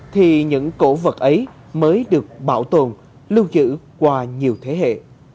thì những cổ vật ấy mới được bảo tồn lưu giữ qua nhiều thế hệ